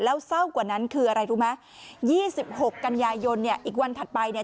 แล้วเศร้ากว่านั้นคืออะไรรู้ไหมยี่สิบหกกันยายนเนี่ยอีกวันถัดไปเนี่ย